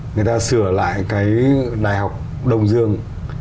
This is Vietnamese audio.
người ta sửa lại cái đại học đông dương